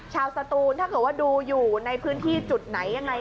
สตูนถ้าเกิดว่าดูอยู่ในพื้นที่จุดไหนยังไง